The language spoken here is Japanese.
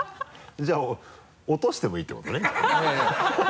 じゃあ落としてもいいってことね？